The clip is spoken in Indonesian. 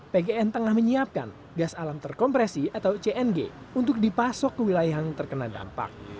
pgn tengah menyiapkan gas alam terkompresi atau cng untuk dipasok ke wilayah yang terkena dampak